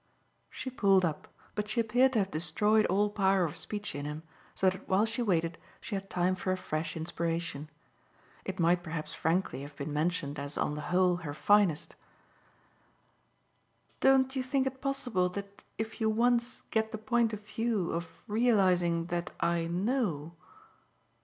She pulled up, but she appeared to have destroyed all power of speech in him, so that while she waited she had time for a fresh inspiration. It might perhaps frankly have been mentioned as on the whole her finest. "Don't you think it possible that if you once get the point of view of realising that I KNOW